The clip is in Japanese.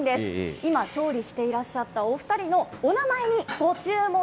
今、調理していらっしゃったお２人のお名前にご注目。